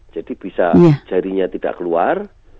jadi bisa jarinya tidak keluar